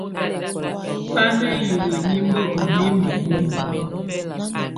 Bà nà hiwǝ́ nimǝ́ ù mimǝ́ numǝ́.